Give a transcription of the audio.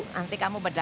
nanti kamu bedakan